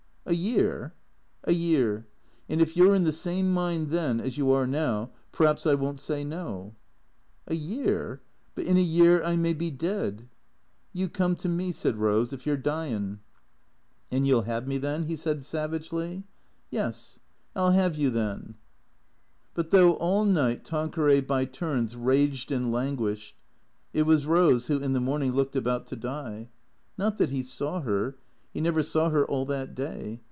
"A year?" " A year. And if you 're in the same mind then as you are now, p'raps I won't say no." " A year ? But in a year I may be dead." " You come to me," said Eose, " if you 're dyin'." " And you '11 have me then ?" he said savagely. " Yes. I '11 'ave you then." But, though all night Tanqueray by turns raged and lan guished, it was Eose who, in the morning, looked about to die. Not that he saw her. He never saw her all that day.